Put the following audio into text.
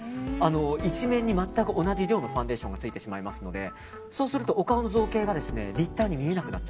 一面に同じ量のファンデーションがついてしまいますのでそうするとお顔の造形が立体に見えなくなる。